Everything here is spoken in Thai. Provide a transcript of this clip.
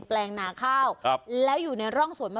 แป๊ะซะ